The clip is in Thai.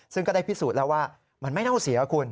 ซึ่งก็ได้พิสูจน์แล้วว่ามันไม่เน่าเสียคุณ